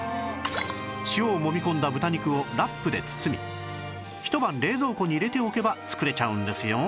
塩をもみ込んだ豚肉をラップで包み一晩冷蔵庫に入れておけば作れちゃうんですよ